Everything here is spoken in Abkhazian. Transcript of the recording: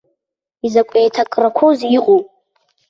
Изакә еиҭакрақәоузеи иҟоу!